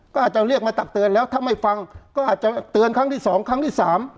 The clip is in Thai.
ก็อาจจะเรียกมาตักเตือนแล้วถ้าไม่ฟังก็อาจจะเตือนครั้งที่๒ครั้งที่๓